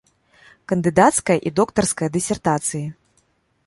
Кандыдацкая і доктарская дысертацыі.